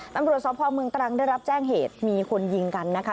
ตำรวจสพเมืองตรังได้รับแจ้งเหตุมีคนยิงกันนะคะ